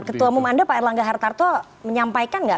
ketua umum anda pak erlangga hartarto menyampaikan nggak